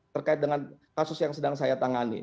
terkait dengan kasus yang sedang saya tangani